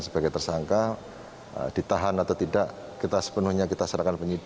sebagai tersangka ditahan atau tidak kita sepenuhnya kita serahkan penyidik